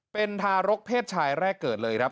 เป็นทารกเพศชายแรกเกิดเลยครับ